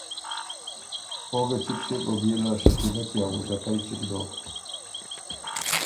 او ګۀ چِګ ݭیوک او بيې له شکیلۀ کی ا وُځه کئ چِګ دوک۔